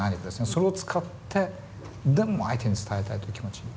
それを使って全部相手に伝えたいという気持ち。